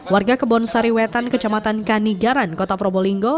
warga kebon sariwetan kecamatan kanigaran kota probolinggo